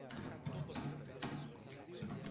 Se trabaja con Mac en este caso.